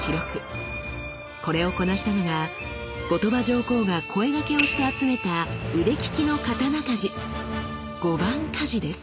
これをこなしたのが後鳥羽上皇が声掛けをして集めた腕利きの刀鍛冶「御番鍛冶」です。